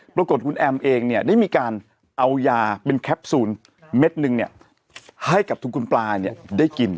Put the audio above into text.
ปรากฏคุณแอมเองเนี่ยได้มีการเอายาเป็นแคปซูลเม็ดนึงให้กับทุกคุณปลาเนี่ยได้กิน